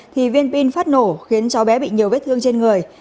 thì viên pin phát nổ khiến cháu bé bị nhiều vết thương trên người